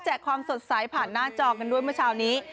ความสดใสผ่านหน้าจอกันด้วยเมื่อเช้านี้